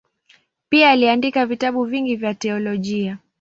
Pia aliandika vitabu vingi vya teolojia.